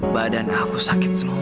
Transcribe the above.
badan aku sakit semua